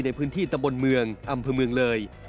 ในพื้นที่ตะบนเมืองอำเภอเมืองเลย